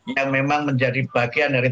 yang memang menjadi bagian dari